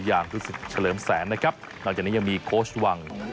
รู้สึกเฉลิมแสนนะครับนอกจากนี้ยังมีโค้ชวัง